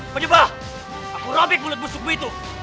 penyebah aku robik mulut busukmu itu